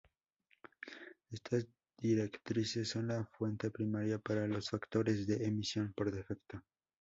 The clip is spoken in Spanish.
Estas directrices son la fuente primaria para los factores de emisión por defecto.